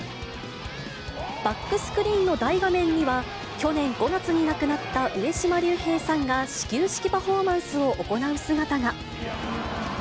バックスクリーンの大画面には、去年５月に亡くなった上島竜兵さんが始球式パフォーマンスを行う姿が。